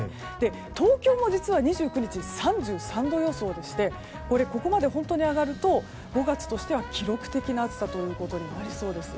東京も実は２９日３３度予想でしてここまで本当に上がると５月としては記録的な暑さとなりそうです。